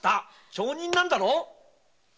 町人なんだろ！